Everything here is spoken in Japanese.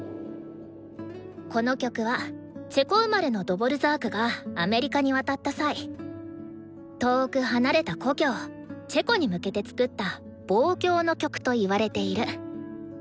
この曲はチェコ生まれのドヴォルザークがアメリカに渡った際遠く離れた故郷チェコに向けて作った望郷の曲と言われている。